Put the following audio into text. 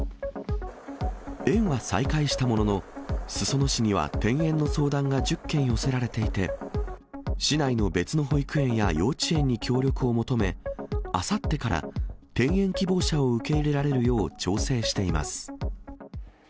園は再開したものの、裾野市には転園の相談が１０件寄せられていて、市内の別の保育園や幼稚園に協力を求め、あさってから転園希望者を受け入れられるよう調整しています。